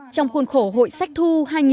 trong khuôn khổ hội sách thu